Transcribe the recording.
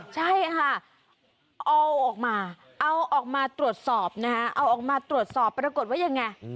ใช่ค่ะเอาออกมาเอาออกมาตรวจสอบนะคะเอาออกมาตรวจสอบปรากฏว่ายังไง